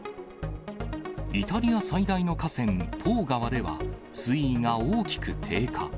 イタリア最大の河川、ポー川では、水位が大きく低下。